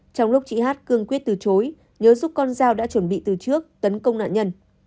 trong lúc chị hát cương quyết từ chối nhớ giúp con dao đã chuẩn bị từ trước tấn công nạn nhân